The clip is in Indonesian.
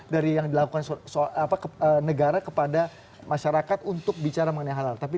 dari yang dilakukan soal apa ke negara kepada masyarakat untuk bicara mengenai halal tapi